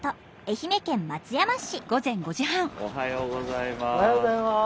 おはようございます。